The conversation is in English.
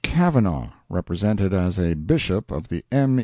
Kavanaugh, represented as a Bishop of the M.